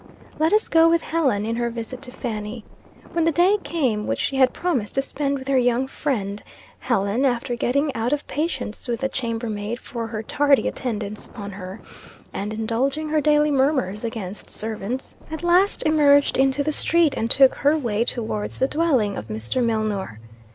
Let us go with Helen in her visit to Fanny. When the day came which she had promised to spend with her young friend, Helen, after getting out of patience with the chambermaid for her tardy attendance upon her, and indulging her daily murmurs against servants, at last emerged into the street, and took her way towards the dwelling of Mr. Milnor.